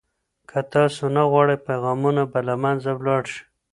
که تاسو نه غواړئ، پیغامونه به له منځه ولاړ شي.